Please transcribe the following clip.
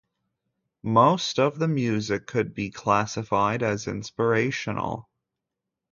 Most of the music could be classified as inspirational.